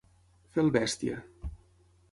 Fer el bèstia.